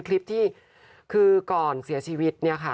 คือก่อนเสียชีวิตเนี่ยคะ